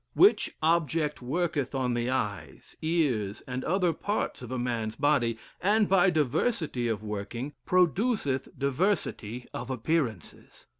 Which object worketh on the eyes, ears, and other parts of a man's body, and by diversity of working, produceth diversity of appearances.